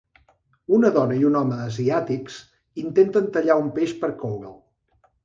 Una dona i un home asiàtics intenten tallar un peix per coure'l.